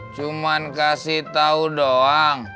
cuman kasih tau doang